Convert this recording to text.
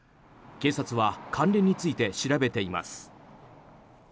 警察は関連について調べています。